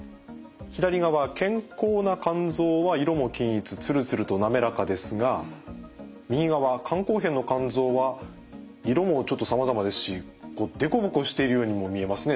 左側健康な肝臓は色も均一ツルツルと滑らかですが右側肝硬変の肝臓は色もちょっとさまざまですしこう凸凹してるようにも見えますね